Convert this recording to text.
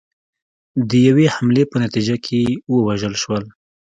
د یوې حملې په نتیجه کې ووژل شول.